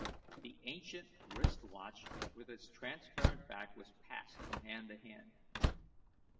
The ancient wrist watch with its transparent back was passed from hand to hand.